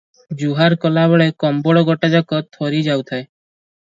ଜୁହାର କଲା ବେଳେ କମ୍ବଳ ଗୋଟାଯାକ ଥରି ଯାଉଥାଏ ।